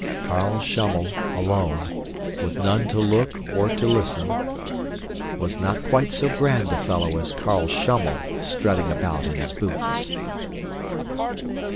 Carl Schummel, alone, with none to look or to listen, was not quite so grand a fellow as Carl Schummel strutting about in his boots.